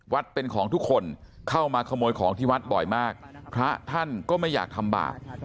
เป็นของทุกคนเข้ามาขโมยของที่วัดบ่อยมากพระท่านก็ไม่อยากทำบาป